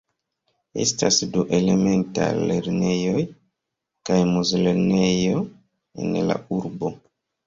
Estas du elementaj lernejoj kaj mezlernejo en la urbo.